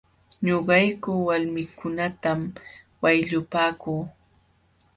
Ñuqayku walmiikunatam wayllupaaku.